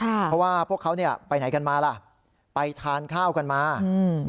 เพราะว่าพวกเขาเนี้ยไปไหนกันมาล่ะไปทานข้าวกันมาอืม